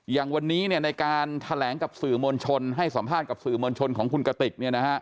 อย่างวันนี้ในการแถลงกับสื่อมวลชนให้สัมภาษณ์กับสื่อมวลชนของคุณกติก